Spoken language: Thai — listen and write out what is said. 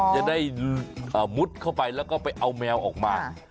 จะได้มุดเข้าไปแล้วก็ไปเอาแมวออกมา